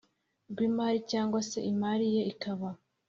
rw imari cyangwa se imari ye ikaba